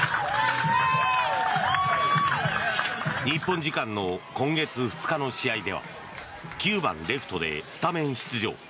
日本時間の今月２日の試合では９番レフトでスタメン出場。